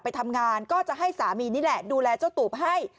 ไปทำงานก็จะให้สามีนี่แหละดูแลเจ้าตูบให้